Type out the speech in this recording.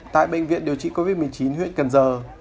tại bệnh viện điều trị covid một mươi chín huyện cần giờ